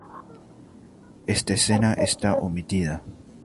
Esta escena está omitida.